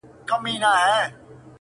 چي د عقل فکر لاس پکښي تړلی.!